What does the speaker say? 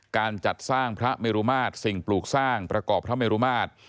การจัดสร้างพระเมรุมาตรสิ่งปลูกสร้างประกอบพระเมรุมาตร